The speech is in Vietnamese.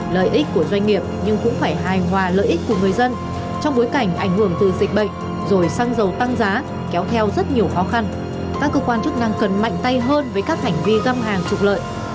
lợi ích của doanh nghiệp nhưng cũng phải hài hòa lợi ích của người dân trong bối cảnh ảnh hưởng từ dịch bệnh rồi xăng dầu tăng giá kéo theo rất nhiều khó khăn các cơ quan chức năng cần mạnh tay hơn với các hành vi găm hàng trục lợi